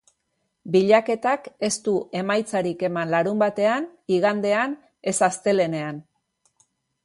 Bilaketak ez du emaitzarik eman larunbatean, igandean, ez astelehenean.